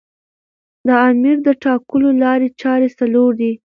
د امیر د ټاکلو لاري چاري څلور دي.